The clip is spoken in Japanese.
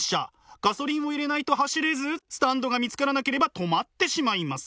ガソリンを入れないと走れずスタンドが見つからなければ止まってしまいます。